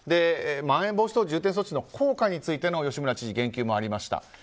まん延防止等重点措置の効果についての吉村知事、言及もありました。